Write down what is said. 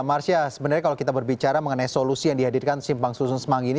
marsyah sebenarnya kalau kita berbicara mengenai solusi yang dihadirkan simpang susun semanggi ini